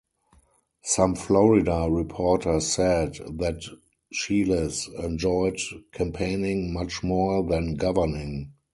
Some Florida reporters said that Chiles enjoyed campaigning much more than governing.